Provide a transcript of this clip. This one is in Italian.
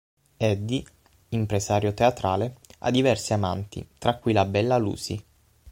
Eddie, impresario teatrale, ha diverse amanti, tra cui la bella Lucy.